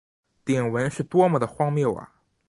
鼎文是多么地荒谬啊！